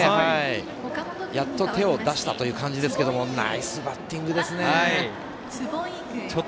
やっと手を出したという感じですけどナイスバッティングですね。